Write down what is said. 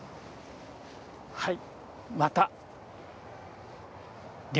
はいまた。